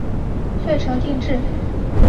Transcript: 遂成定制。